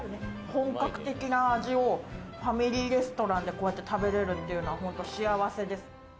本格的な味をファミリーレストランでこうやって食べれるっていうのは本当に幸せです。